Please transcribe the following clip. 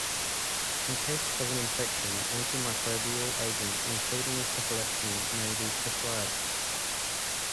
In case of an infection, antimicrobial agents including cephalexin may be prescribed.